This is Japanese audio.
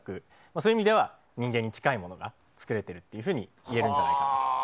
そういう意味では人間に近いものが作れているといえるんじゃないかと。